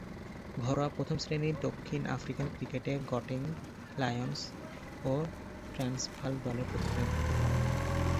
ঘরোয়া প্রথম-শ্রেণীর দক্ষিণ আফ্রিকান ক্রিকেটে গটেং, লায়ন্স ও ট্রান্সভাল দলের প্রতিনিধিত্ব করেন।